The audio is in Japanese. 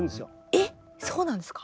えっそうなんですか？